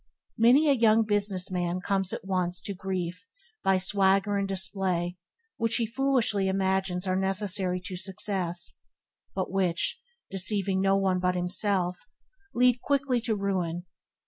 Many a young business man comes at once to grief by swagger and display which he foolishly imagines are necessary to success, but which, deceiving no one but himself, lead quickly to ruin.